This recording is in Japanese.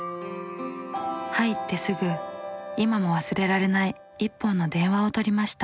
入ってすぐ今も忘れられない一本の電話を取りました。